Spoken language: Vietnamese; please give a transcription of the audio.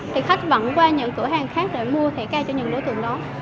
thì khách vẫn qua những cửa hàng khác để mua thề kèo cho những đối tượng đó